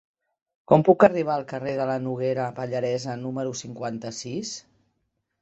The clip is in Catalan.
Com puc arribar al carrer de la Noguera Pallaresa número cinquanta-sis?